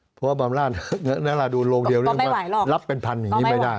เพราะว่าบำราชนราดูลโรงเดียวรับเป็นพันธุ์ไม่ได้